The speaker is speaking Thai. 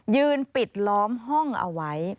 ยืนปิดล้อมห้องเอาไว้